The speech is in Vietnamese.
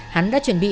hắn đã chuẩn bị